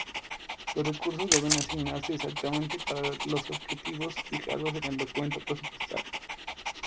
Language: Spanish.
Los recursos deben asignarse exactamente para los objetivo fijados en el documento presupuestario.